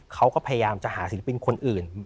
เขาก็พยายามจะหาศิลปินคนอื่น